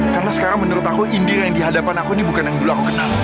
karena sekarang menurut aku indira yang di hadapan aku ini bukan yang dulu aku kenal